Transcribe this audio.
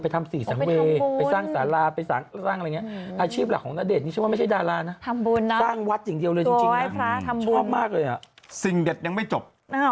ตั้งวัดอย่างเดียวเลยจริงนะชอบมากเลยสิ่งเด็ดยังไม่จบ